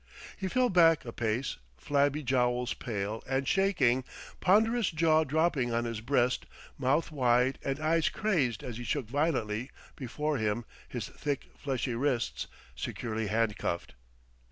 He fell back a pace, flabby jowls pale and shaking, ponderous jaw dropping on his breast, mouth wide and eyes crazed as he shook violently before him his thick fleshy wrists securely handcuffed.